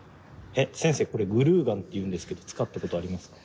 え先生これグルーガンっていうんですけど使ったことありますか？